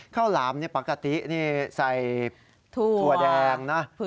ข้าวหลามปกติใส่ถั่วแดงนะ